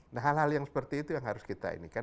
nah hal hal yang seperti itu yang harus kita ini kan